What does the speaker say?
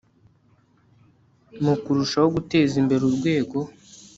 mu kurushaho guteza imbere urwego